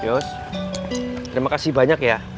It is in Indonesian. yos terima kasih banyak ya